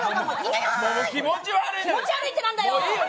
気持ち悪いって何だよ！